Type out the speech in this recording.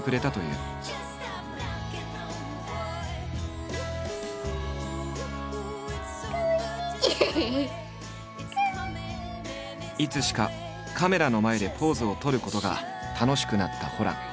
いつしかカメラの前でポーズを取ることが楽しくなったホラン。